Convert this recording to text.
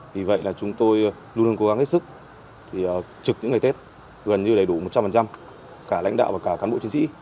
vì vậy là chúng tôi luôn luôn cố gắng hết sức trực những ngày tết gần như đầy đủ một trăm linh cả lãnh đạo và cả cán bộ chiến sĩ